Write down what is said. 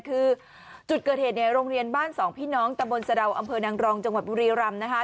คือจุดเกิดเหตุเนี่ยโรงเรียนบ้านสองพี่น้องตะบนสะดาวอำเภอนางรองจังหวัดบุรีรำนะคะ